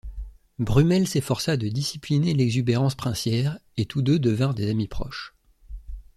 Brummell s’efforça de discipliner l’exubérance princière et tous deux devinrent des amis proches.